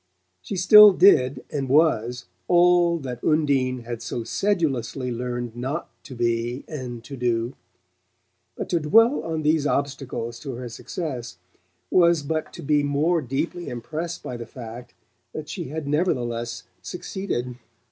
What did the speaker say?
She still did and was all that Undine had so sedulously learned not to be and to do; but to dwell on these obstacles to her success was but to be more deeply impressed by the fact that she had nevertheless succeeded.